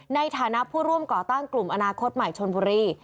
ในฐานะผู้ร่วมก่อตั้งกลุ่มอนาคตใหม่ชนบุรี